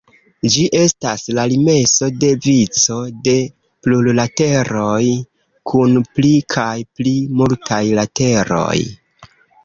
Ĝi estas la limeso de vico de plurlateroj kun pli kaj pli multaj lateroj.